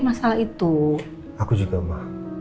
masalah itu aku juga